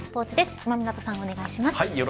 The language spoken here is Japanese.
今湊さん、お願いします。